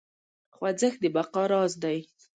خوځښت د بقا راز دی.